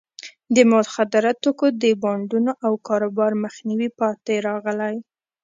د مخدره توکو د بانډونو او کاروبار مخنیوي پاتې راغلی.